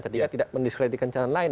ketiga tidak mendiskreditkan calon lain